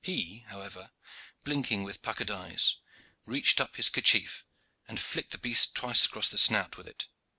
He, however, blinking with puckered eyes, reached up his kerchief, and flicked the beast twice across the snout with it.